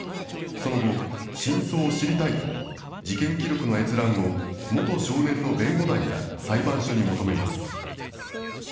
その後、真相を知りたいと、事件記録の閲覧を元少年の弁護団や裁判所に求めます。